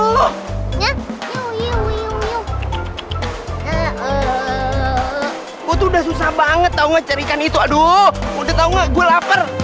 gue bantuin lo cari petah itu ya